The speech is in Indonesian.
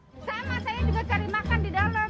sama saya juga cari makan di dalam